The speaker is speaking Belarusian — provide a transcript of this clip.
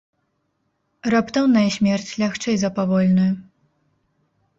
Раптоўная смерць лягчэй за павольную.